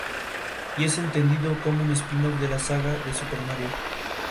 House sostiene que el paciente está deprimido.